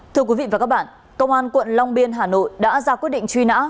thưa quý vị và các bạn công an quận long biên hà nội đã ra quyết định truy nã